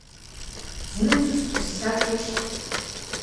Зны дзусҭоу саҳәишь!